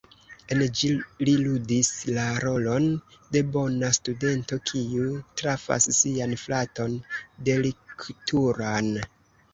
En ĝi li ludis la rolon de bona studento kiu trafas sian fraton deliktulan.